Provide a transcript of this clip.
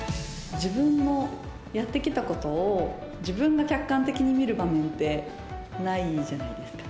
自分のやって来たことを自分が客観的に見る場面ってないじゃないですか。